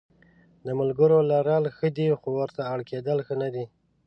د ملګرو لرل ښه دي خو ورته اړ کېدل ښه نه دي.